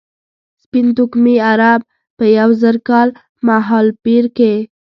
سپین توکمي عرب په یو زر کال مهالپېر کې.